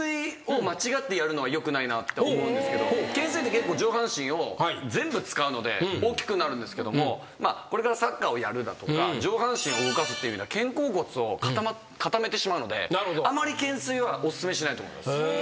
よくないなって思うんですけど懸垂って結構上半身を全部使うので大きくなるんですけどもこれからサッカーをやるだとか上半身を動かすっていうのは肩甲骨を固めてしまうのであまり懸垂はお勧めしないと思います。